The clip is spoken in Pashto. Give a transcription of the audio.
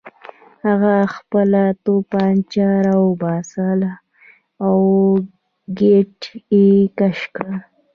هغه خپله توپانچه راوباسله او ګېټ یې کش کړ